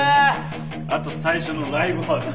あと最初のライブハウス。